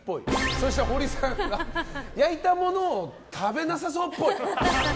そして、ホリさんが焼いたものを食べなさそうっぽい。